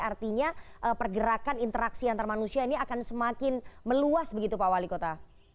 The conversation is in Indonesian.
artinya pergerakan interaksi antar manusia ini akan semakin meluas begitu pak wali kota